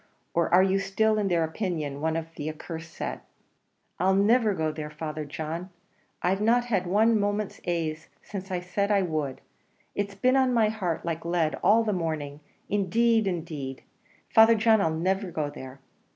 or are you still, in their opinion, one of their accursed set?" "I'll niver go there, Father John. I've not had one moment's ase since I said I would; it's been on my heart like lead all the morning; indeed, indeed, Father John, I'll niver go there."